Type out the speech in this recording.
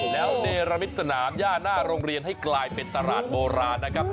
แล้วเนรมิตสนามย่าหน้าโรงเรียนให้กลายเป็นตลาดโบราณนะครับ